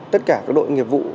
tất cả các đội nghiệp vụ